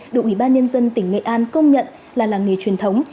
được ủy ban nhân dân tỉnh nghệ an công nhận là làng nghề truyền thống